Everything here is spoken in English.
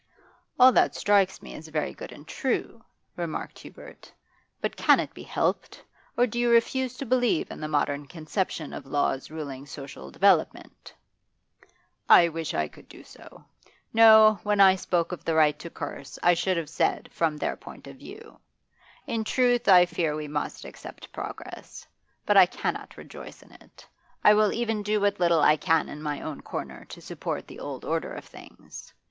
'All that strikes me as very good and true,' remarked Hubert; 'but can it be helped? Or do you refuse to believe in the modern conception of laws ruling social development?' 'I wish I could do so. No; when I spoke of the right to curse, I should have said, from their point of view. In truth, I fear we must accept progress. But I cannot rejoice in it; I will even do what little I can in my own corner to support the old order of things.